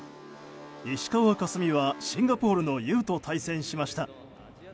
石川佳純はシンガポールのユーと対戦しました。